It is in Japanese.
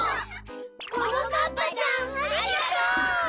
ももかっぱちゃんありがとう！